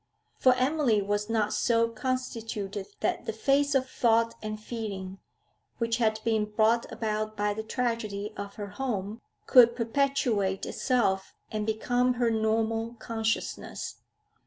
For Emily was not so constituted that the phase of thought and feeling which had been brought about by the tragedy of her home could perpetuate itself and become her normal consciousness.